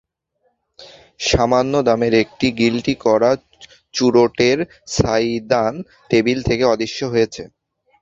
সামান্য দামের একটা গিল্টি-করা চুরোটের ছাইদান টেবিল থেকে অদৃশ্য হয়েছে।